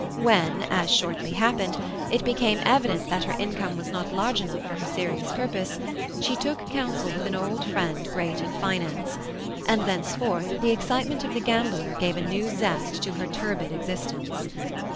When, as shortly happened, it became evident that her income was not large enough for her serious purpose, she took counsel with an old friend great in finance, and thenceforth the excitement of the gambler gave a new zest to her turbid existence.